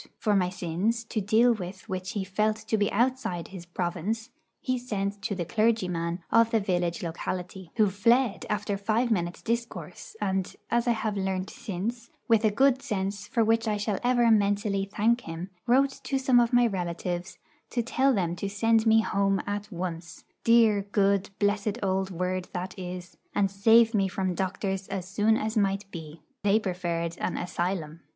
For my sins, to deal with which he felt to be outside his province, he sent to the clergyman of the village locality, who fled after five minutes' discourse; and, as I have learnt since, with a good sense for which I shall ever mentally thank him, wrote to some of my relatives to tell them to send me 'home' at once dear, good, blessed old word that it is! and save me from doctors as soon as might be. They preferred an 'asylum.'